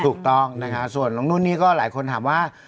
ถูกต้องนะคะส่วนน้องนุ่นนี่ก็หลายคนถามว่า